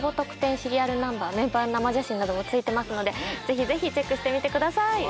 シリアルナンバーメンバーの生写真なども付いてますのでぜひぜひチェックしてみてください